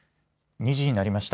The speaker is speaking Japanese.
２時になりました。